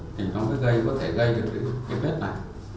thì nó mới gây có thể gây được cái vết này